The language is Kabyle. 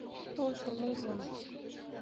Ur telluẓemt.